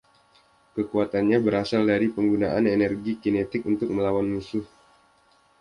Kekuatannya berasal dari penggunaan energi kinetik untuk melawan musuh.